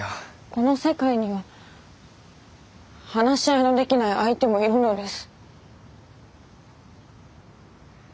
この世界には話し合いのできない相手もいるのです。